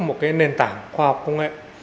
một nền tảng khoa học công nghệ